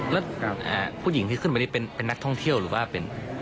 แล้วผู้หญิงที่ขึ้นมานี่เป็นนักท่องเที่ยวหรือว่าเป็น